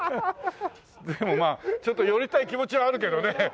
でもまあちょっと寄りたい気持ちはあるけどね。